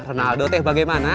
rinaldo teh bagaimana